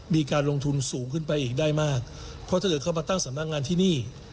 มีการลงทุนสูงขึ้นไปอีกได้มากเพราะถ้าเกิดเขามาตั้งสำนักงานที่นี่